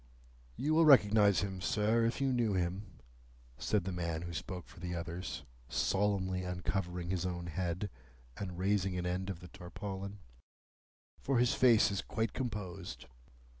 "You will recognise him, sir, if you knew him," said the man who spoke for the others, solemnly uncovering his own head, and raising an end of the tarpaulin, "for his face is quite composed."